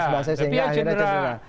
tapi ya cedera